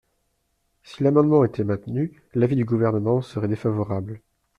Si l’amendement était maintenu, l’avis du Gouvernement serait défavorable.